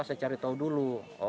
saya cari tahu dulu